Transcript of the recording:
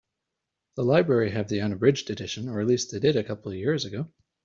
The library have the unabridged edition, or at least they did a couple of years ago.